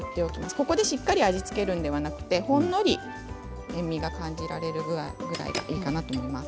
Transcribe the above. ここで、しっかり味を付けるのではなくてほんのり塩みが感じられるぐらいでいいと思います。